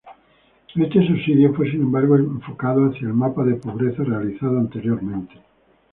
Este subsidio fue sin embargo enfocado hacia el mapa de pobreza realizado anteriormente.